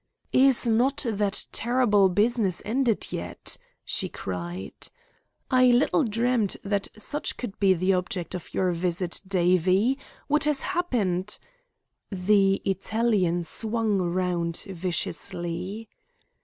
"Is not that terrible business ended yet?" she cried. "I little dreamed that such could be the object of your visit, Davie. What has happened " The Italian swung round viciously.